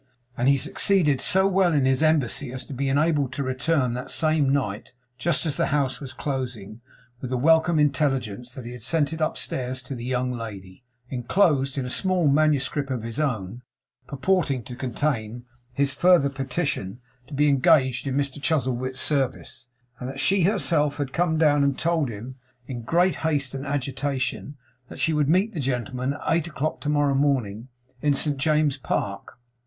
And he succeeded so well in his embassy as to be enabled to return that same night, just as the house was closing, with the welcome intelligence that he had sent it upstairs to the young lady, enclosed in a small manuscript of his own, purporting to contain his further petition to be engaged in Mr Chuzzlewit's service; and that she had herself come down and told him, in great haste and agitation, that she would meet the gentleman at eight o'clock to morrow morning in St. James's Park.